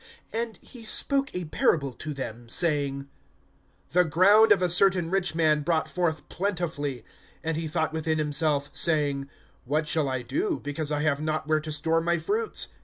(16)And he spoke a parable to them, saying: The ground of a certain rich man brought forth plentifully. (17)And he thought within himself, saying: What shall I do, because I have not where to store my fruits?